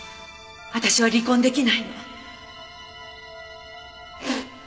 私は離婚出来ないの。